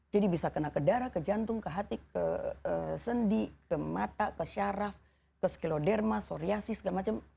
jadi bisa kena ke darah ke jantung ke hati ke sendi ke mata ke syaraf ke skleroderma psoriasis segala macam